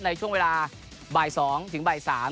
ในช่วงเวลาบ่าย๒ถึงบ่าย๓